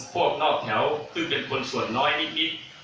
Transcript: พวกนอกแถวซึ่งเป็นคนส่วนน้อยนิด